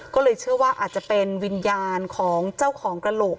ก็เลยเชื่อว่าอาจจะเป็นวิญญาณของเจ้าของกระโหลก